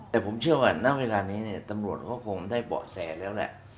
แต่ผมเชื่อว่าณเวลานี้เนี่ยตำรวจก็คงได้เบาะแสแล้วแหละ